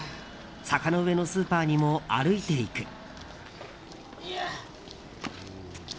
坂の上のスーパーにも歩いていく。